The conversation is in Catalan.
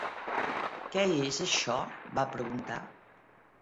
Què és això, va preguntar?